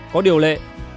hai có điều lệ